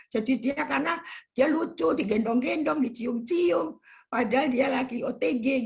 jadi karena dia lucu digendong gendong dicium cium padahal dia lagi otg